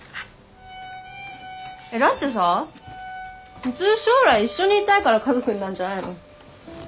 えっだってさ普通将来一緒にいたいから家族になるんじゃないの？